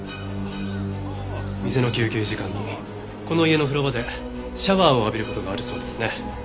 店の休憩時間にこの家の風呂場でシャワーを浴びる事があるそうですね。